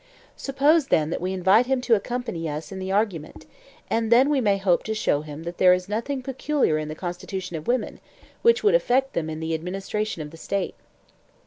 Suppose then that we invite him to accompany us in the argument, and then we may hope to show him that there is nothing peculiar in the constitution of women which would affect them in the administration of the State.